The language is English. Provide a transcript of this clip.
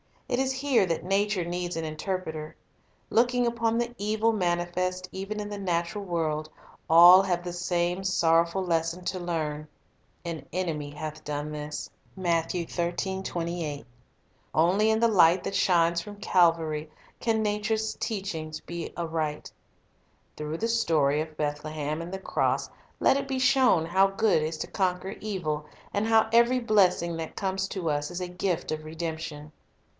It is here that nature needs an interpreter. Looking upon the evil manifest even in the natural world, all have the same sorrowful lesson to learn, — "An enemy hath done this." 1 Only in the light that shines from Calvary can nature's teaching be read aright. Through the story of Bethlehem and the cross let it be shown how good is to conquer evil, and how every blessing that comes to us is a gift of redemption.